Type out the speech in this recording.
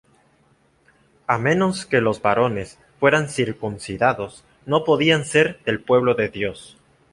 A menos que los varones fueran circuncidados, no podían ser del pueblo de Dios.